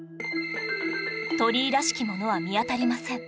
鳥居らしきものは見当たりません